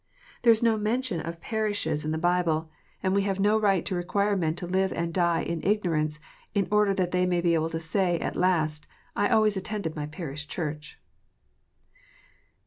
There is no mention of parishes in 376 KNOTS UNTIED. the Bible, and we have no right to require men to live and die in ignorance, in order that they may be able to say at last, " I always attended my parish church."